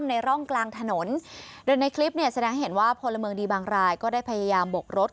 เมืองดีบางรายก็ได้พยายามบกรถ